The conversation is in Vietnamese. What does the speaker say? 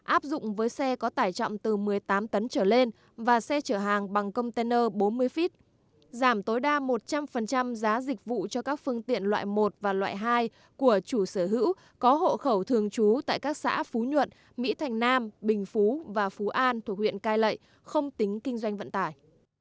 áp dụng với xe có tải trọng từ một mươi tám tấn trở lên và xe chở hàng bằng container bốn mươi feet giảm tối đa một trăm linh giá dịch vụ cho các phương tiện loại một và loại hai của chủ sở hữu có hộ khẩu thường trú tại các xã phú nhuận mỹ thành nam bình phú và phú an thuộc huyện cai lệ không tính kinh doanh vận tải